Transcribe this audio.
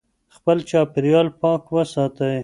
خپل چاپېریال پاک وساتئ.